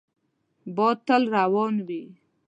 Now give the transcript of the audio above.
باد تل روان وي